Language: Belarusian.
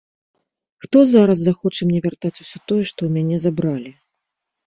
Хто зараз захоча мне вяртаць усё тое, што ў мяне забралі?